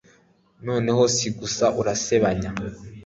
noneho si ugusiga urasebanya